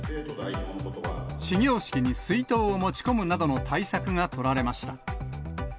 始業式に水筒を持ち込むなどの対策が取られました。